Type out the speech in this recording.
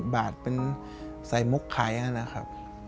๑๐บาทเป็นใส่มุกขายอย่างนั้นนะครับ